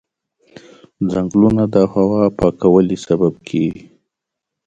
ځنګلونه د هوا پاکوالي سبب کېږي.